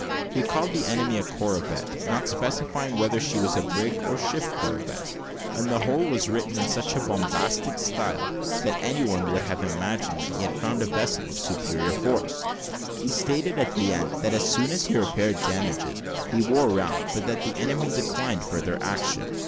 He called the enemy a corvette, not specifying whether she was brig or ship corvette; and the whole was written in such a bombastic style, that any one would have imagined that he had found a vessel of superior force. He stated, at the end, that as soon as he repaired damages, he wore round, but that the enemy declined further action.